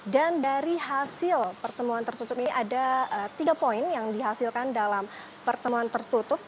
dan dari hasil pertemuan tertutup ini ada tiga poin yang dihasilkan dalam pertemuan tertutup